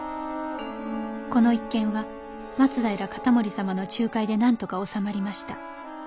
この一件は松平容保様の仲介でなんとか収まりました。